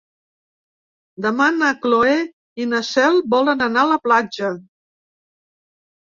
Demà na Cloè i na Cel volen anar a la platja.